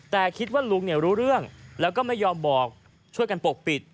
แต่คิดว่าลุงรู้เรื่องแล้วก็ไม่ยอมบอกช่วยกันปกปิด